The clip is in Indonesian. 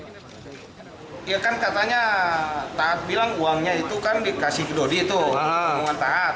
ya kan katanya taat bilang uangnya itu kan dikasih ke dodi tuhan taat